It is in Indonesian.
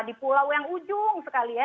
di pulau yang ujung sekali ya